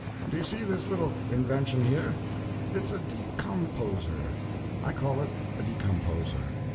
Do you see this little invention here?—it's a decomposer—I call it a decomposer.